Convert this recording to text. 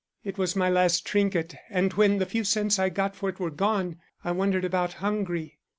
It was my last trinket, and when the few cents I got for it were gone, I wandered about hungry.